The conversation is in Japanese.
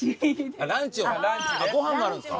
あっご飯があるんですか？